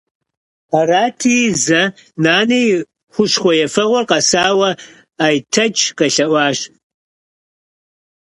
Арати, зэ нанэ и хущхъуэ ефэгъуэр къэсауэ Айтэч къелъэӀуащ.